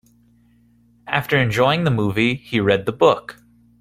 After enjoying the movie, he read the book.